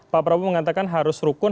pak prabowo mengatakan harus rukun